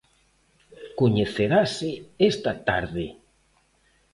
Coñecerase esta tarde.